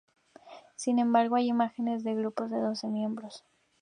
Sin embargo, hay imágenes de grupos de doce miembros.